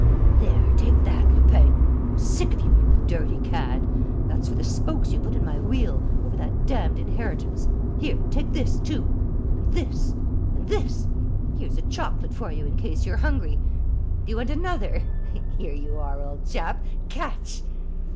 "There, take that, Lupin! I'm sick of you, you dirty cad! That's for the spokes you put in my wheel, over that damned inheritance! ... Here, take this, too!... And this!... And this!... Here's a chocolate for you in case you're hungry.... Do you want another? Here you are, old chap! catch!"